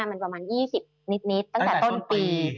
มันประมาณ๒๐นิดตั้งแต่ต้นปี